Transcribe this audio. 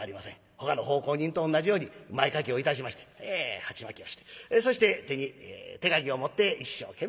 ほかの奉公人と同じように前掛けをいたしまして鉢巻きをしてそして手に手かぎを持って一生懸命に働いております。